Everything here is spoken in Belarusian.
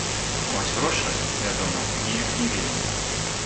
А вось грошай, вядома, неяк не вельмі.